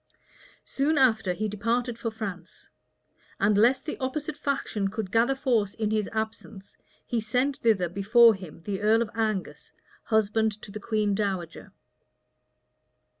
Soon after he departed for France; and lest the opposite faction should gather force in his absence, he sent thither before him the earl of Angus, husband to the queen dowager.